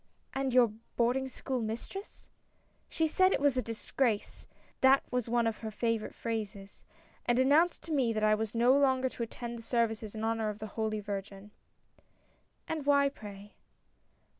" And your boarding school mistress ?" "She said it was a disgrace — that was one of her favorite phrases — and announced to me that I was no longer to attend the services in honor of the Holy Virgin." 86 A NEW IDEA. " And why, pray?